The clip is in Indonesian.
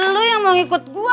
lu yang mau ikut gue